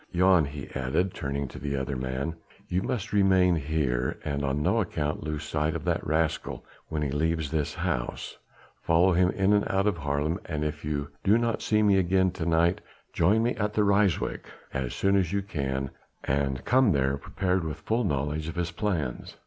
Jan," he added, turning to the other man, "you must remain here and on no account lose sight of that rascal when he leaves this house. Follow him in and out of Haarlem, and if you do not see me again to night, join me at Ryswyk as soon as you can, and come there prepared with full knowledge of his plans."